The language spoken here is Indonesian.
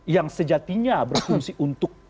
yang sejatinya berfungsi untuk